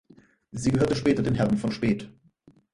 Sie gehörte später den Herren von Speth.